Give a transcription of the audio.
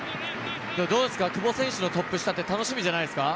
久保選手のトップ下って楽しみじゃないですか？